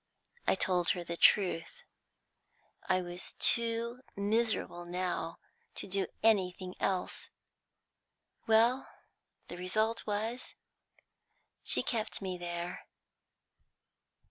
I told her the truth; I was too miserable now to do anything else. Well, the result was she kept me there."